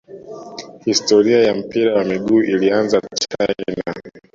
historia ya mpira wa miguu ilianzia china